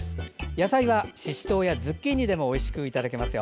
野菜はししとうやズッキーニでもおいしくいただけますよ。